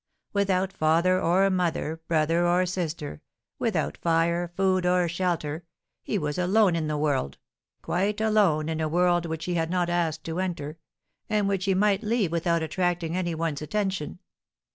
Without father or mother, brother or sister, without fire, food, or shelter, he was alone in the world, quite alone in a world which he had not asked to enter, and which he might leave without attracting any one's attention.